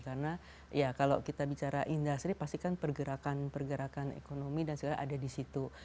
karena kalau kita bicara industri pasti kan pergerakan ekonomi dan segala ada di situ